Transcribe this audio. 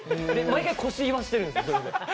毎回、腰いわしてるんですよ。